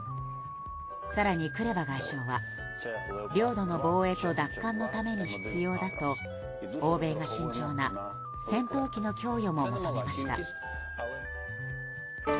更にクレバ外相は領土の防衛と奪還のために必要だと欧米が慎重な戦闘機の供与も求めました。